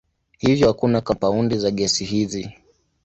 Hivyo hakuna kampaundi za gesi hizi.